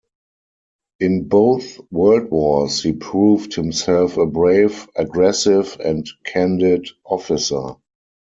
In both world wars, he proved himself a brave, aggressive, and candid officer.